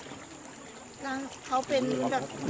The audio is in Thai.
เขาเป็น